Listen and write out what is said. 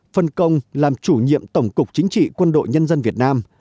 phân công làm chủ nhiệm tổng cục chính trị quân đội nhân dân việt nam